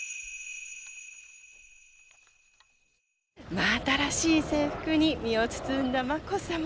真新しい制服に身を包んだ眞子さま。